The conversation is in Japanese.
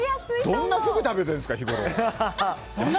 どんなフグ食べてるんですか日頃。